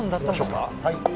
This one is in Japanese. はい。